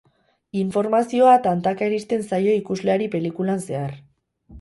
Informazioa tantaka iristen zaio ikusleari pelikulan zehar.